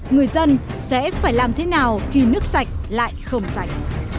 người dân sẽ phải làm thế nào khi nước sạch lại không sạch